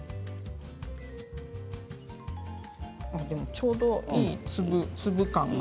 ちょうどいい粒感が。